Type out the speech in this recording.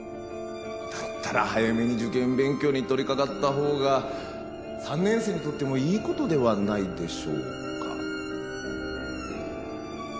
だったら早めに受験勉強に取り掛かった方が３年生にとってもいいことではないでしょうか。